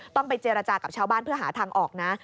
ต้องไปเจรจากับชาวบ้านเพื่อหาทางออกนะ